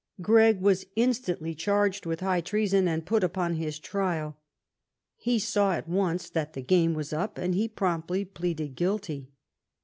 Oregg was instantly charged with high treason and put upon his trial. He saw at once that the game was up, and he promptly pleaded guilty.